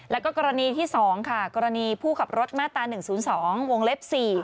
แล้วก็กรณีที่๒ค่ะกรณีผู้ขับรถมาตรา๑๐๒วงเล็บ๔